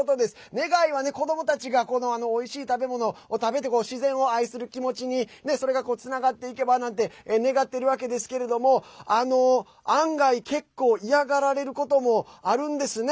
願いはね、子どもたちがおいしい食べ物を食べて自然を愛する気持ちにそれがつながっていけばって願っているんですが案外結構、嫌がられることもあるんですね。